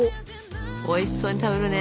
おいしそうに食べるね。